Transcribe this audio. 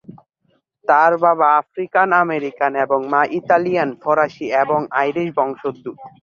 তার বাবা African American এবং মা ইতালিয়ান, ফরাসী এবং আইরিশ বংশোদ্ভূত।